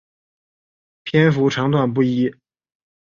篇幅长短不一。